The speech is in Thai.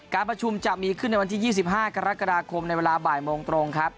การประชุมจะมีขึ้นในวันที่๒๕กรกฎาคมในเวลาบ่ายโมงตรงครับ